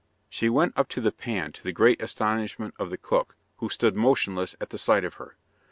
She went up to the pan, to the great astonishment of the cook, who stood motionless at the sight of her.